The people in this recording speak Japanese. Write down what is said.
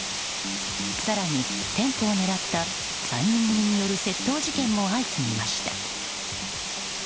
更に、店舗を狙った３人組による窃盗事件も相次ぎました。